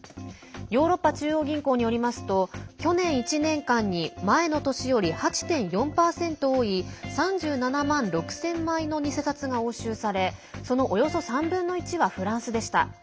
ヨーロッパ中央銀行によりますと去年１年間に前の年より８．４％多い３７万６０００枚の偽札が押収されそのおよそ３分の１はフランスでした。